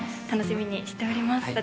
楽しみにしております